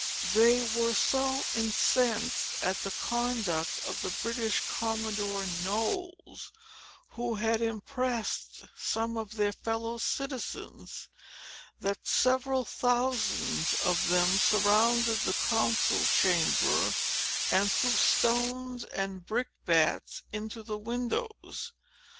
They were so incensed at the conduct of the British Commodore Knowles, who had impressed some of their fellow citizens, that several thousands of them surrounded the council chamber, and threw stones and brick bats into the windows.